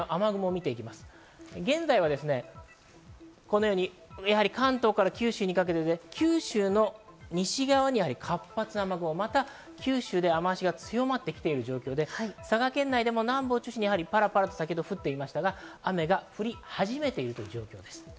現在は、関東から九州にかけて九州の西側には活発な雨雲、雨足も強まってきているということで、佐賀県内も南部を中心にパラパラ降っていましたが、雨が降り始めているという状況です。